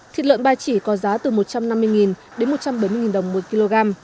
thịt lợn ba chỉ có giá từ một trăm năm mươi đến một trăm bốn mươi đồng mỗi kg